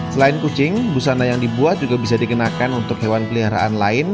selain kucing busana yang dibuat juga bisa dikenakan untuk hewan peliharaan lain